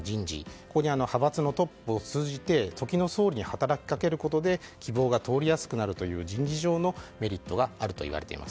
ここに派閥のトップを通じて時の総理に働きかけることで希望が通りやすくなるという人事上のメリットがあるといわれています。